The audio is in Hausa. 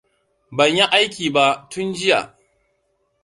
Ban yi aiki ba tun jiya.